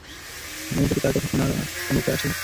আমাদের কাছে তার কথা শোনা আর কোন উপায় আছে?